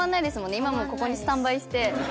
今もここにスタンバイして。